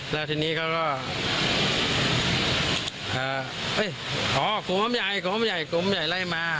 แล้วทีนี้เขาก็อ๋อกลุ่มอำใหญ่ไล่มา